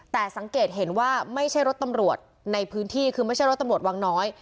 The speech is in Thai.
แต่สังเกตเห็นว่าไม่ใช่รถตำรวจในพื้นที่คือไม่ใช่รถตำรวจวังน้อย